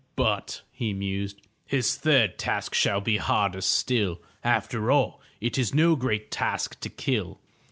"But/^ he mused, ''his third task shall be harder still. After all it is no great task to kill.